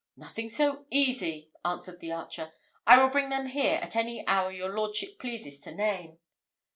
"Nothing so easy," answered the archer. "I will bring them here at any hour your lordship pleases to name."